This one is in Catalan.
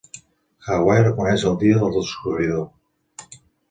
Hawaii reconeix el dia del descobridor.